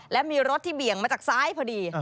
และมีรถที่เบี่ยงมาจากซ้ายพอดี